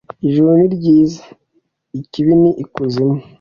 Ijuru ni ryiza. Ikibi ni ikuzimu.